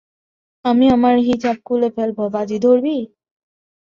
আমি আমার হিজাব খুলে ফেলব, বাজি ধরবি?